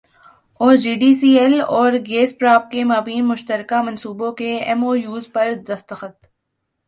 او G D C L اور Gazprom کے مابین مشترکہ منصوبوں کے ایم او یوز پر دستخط